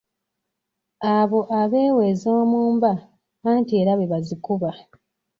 Abo abeewa ez’omu mba anti era be bazikuba.